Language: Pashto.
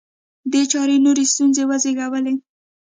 دې چارې نورې ستونزې وزېږولې